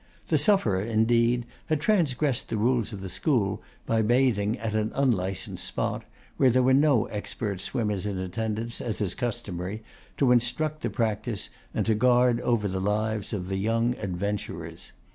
The sufferer, indeed, had transgressed the rules of the school by bathing at an unlicensed spot, where there were no expert swimmers in attendance, as is customary, to instruct the practice and to guard over the lives of the young adventurers.